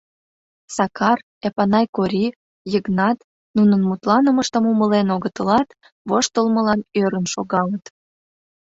Сакар, Эпанай Кори, Йыгнат нунын мутланымыштым умылен огытылат, воштылмылан ӧрын шогалыт.